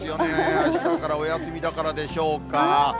あしたからお休みだからでしょうか。